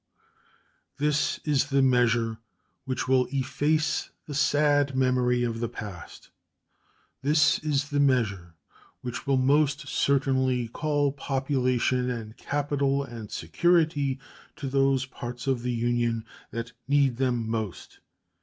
This is the measure which will efface the sad memory of the past; this is the measure which will most certainly call population and capital and security to those parts of the Union that need them most.